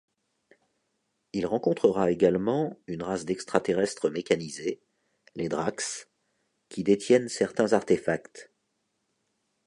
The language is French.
Il rencontrera également une race d'extraterrestres mécanisés, les Drakks, qui détiennent certains artefacts.